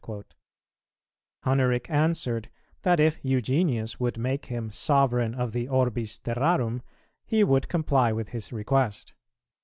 Hunneric answered that if Eugenius would make him sovereign of the orbis terrarum, he would comply with his request.